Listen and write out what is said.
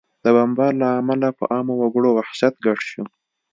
د بمبار له امله په عامه وګړو وحشت ګډ شو